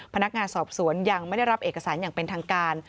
พนักงานสอบสวนยังไม่ได้รับเอกสารอย่างเป็นทางการ